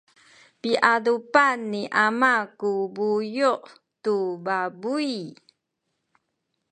piadupan ni ama ku buyu’ tu pabuy.